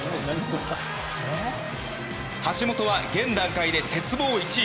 橋本は現段階で鉄棒１位。